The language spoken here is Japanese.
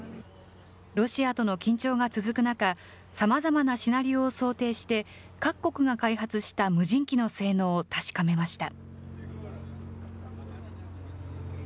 ロシアとの緊張が続く中、さまざまなシナリオを想定して、各国が開発した無人機の性能を確かめました。